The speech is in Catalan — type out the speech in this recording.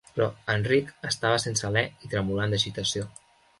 Però Enric estava sense alè i tremolant d'agitació.